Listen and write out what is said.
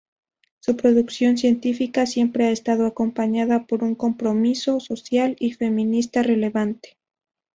Su producción científica siempre ha estado acompañada por un compromiso social y feminista relevante.